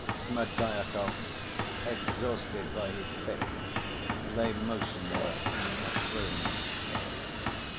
Smerdyakov, exhausted by his fit, lay motionless in the next room.